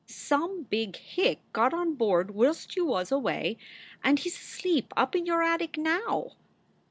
Some big hick got on board whilst you was away, and he s asleep up in your attic now.